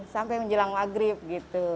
sampai menjelang maghrib gitu